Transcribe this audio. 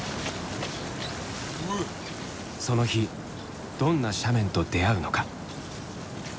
その日どんな斜面と出会うのか？